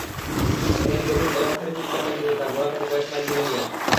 এহেন গভীর এলোপাথাড়ি চিন্তার মধ্য দিয়ে তার ঘোড়া তাকে কয়েক মাইল দূরে নিয়ে আসে।